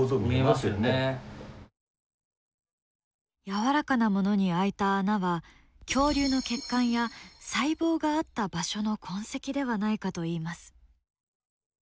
やわらかなものに開いた穴は恐竜の血管や細胞があった場所の痕跡ではないかといいます。